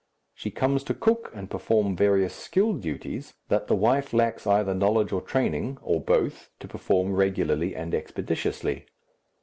She comes to cook and perform various skilled duties that the wife lacks either knowledge or training, or both, to perform regularly and expeditiously.